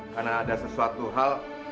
karena ada sesuatu hal